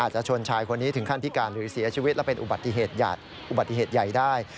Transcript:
หรือเสียชีวิตและเป็นอุบัติเหตุใหญ่ได้